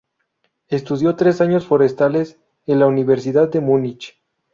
Estudió tres años forestales en la Universidad de Múnich.